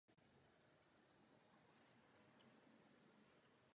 Mým druhým bodem je konference v Kodani.